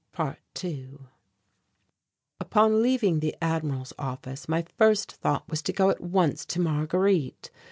~2~ Upon leaving the Admiral's office my first thought was to go at once to Marguerite.